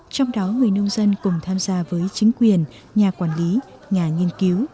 trong đó người nông dân cùng tham gia với chính quyền nhà quản lý nhà nghiên cứu